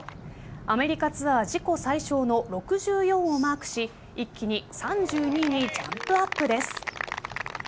アメリカツアー自己最少の６４をマークし一気に３２位にジャンプアップです。